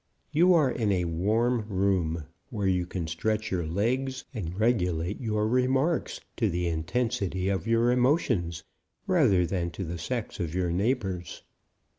You are in a warm room, where you can stretch your legs and regulate your remarks to the intensity of your emotions rather than to the sex of your neighbors.